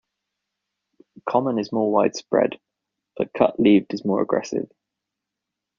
Common is more widespread, but cut-leaved is more aggressive.